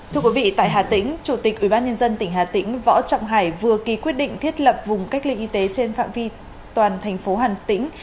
thưa quý vị tại hà tĩnh chủ tịch ubnd tỉnh hà tĩnh võ trọng hải vừa ký quyết định thiết lập vùng cách ly y tế trên phạm vi toàn thành phố hà tĩnh